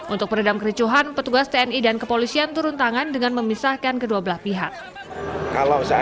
untuk peredam kericuhan petugas tni dan kepolisian turun tangan dengan memisahkan kedua belah pihak